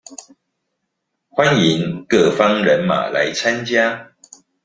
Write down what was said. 歡迎各方人馬來參加